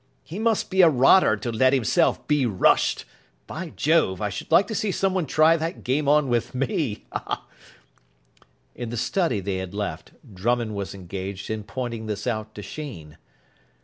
"He must be a rotter to let himself be rushed. By Jove, I should like to see someone try that game on with me." In the study they had left, Drummond was engaged in pointing this out to Sheen.